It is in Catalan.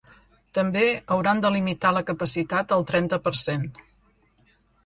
També hauran de limitar la capacitat al trenta per cent.